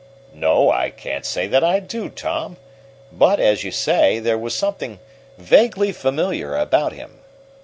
"No, I can't say that I do, Tom. But, as you say, there was something vaguely familiar about him.